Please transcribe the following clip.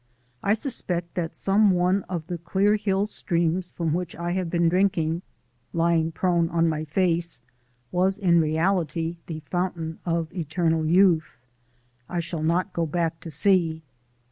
I suspect that some one of the clear hill streams from which I have been drinking (lying prone on my face) was in reality the fountain of eternal youth. I shall not go back to see.